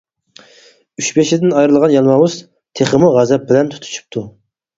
ئۈچ بېشىدىن ئايرىلغان يالماۋۇز تېخىمۇ غەزەپ بىلەن تۇتۇشۇپتۇ.